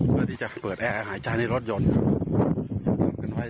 เพื่อที่จะเปิดแอร์หายใจในรถยนต์